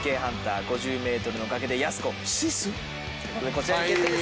こちらに決定です。